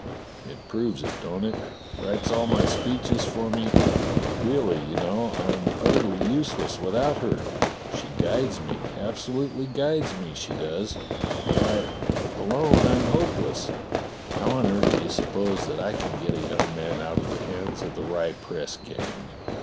It proves it, don't it? Writes all my speeches for me. Really, you know, I am utterly useless without her. She guides me — absolutely guides me, she does. "VMiy, 254 DOCTOR SYN alone I'm hopeless. How on earth do you suppose that I can get a young man out of the hands of the Rye press gang?